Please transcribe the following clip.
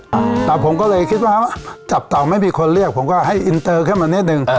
อืมแต่ผมก็เลยคิดว่าฮะจับเต่าไม่มีคนเรียกผมก็ให้เค้ามาแน็ตนึง